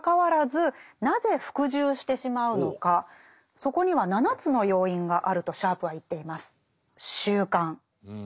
そこには７つの要因があるとシャープは言っています。